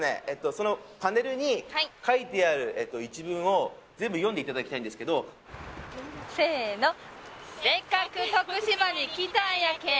そのパネルに書いてある一文を全部読んでいただきたいんですけど「せっかく徳島に来たんやけん」